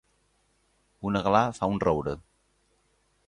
Un aglà fa un roure.